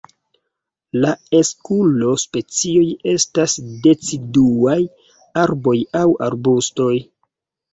La Eskulo-specioj estas deciduaj arboj aŭ arbustoj.